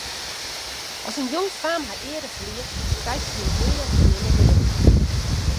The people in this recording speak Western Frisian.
As in jongfaam har eare ferliest, krijt se dy nea ofte nimmer werom.